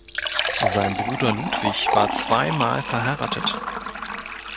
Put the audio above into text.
Sein Bruder Ludwig war zweimal verheiratet.